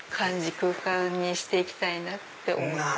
空間にしていきたいなって思ってます。